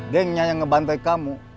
gengnya yang ngebantai kamu